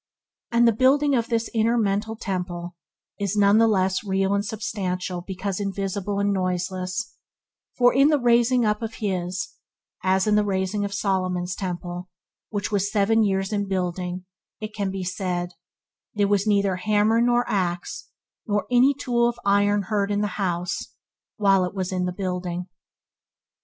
And the building of this inner mental Temple is none the less real and substantial because invisible and noiseless, for in the raising up of his, as of Solomon's Temple which was "seven years in building" – it can be said, "there was neither hammer nor axe nor any tool of iron heard in the house, while it was in the building".